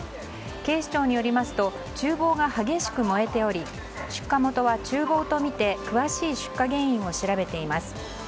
警視庁によりますと厨房が激しく燃えており出火元は厨房とみて詳しい出火原因を調べています。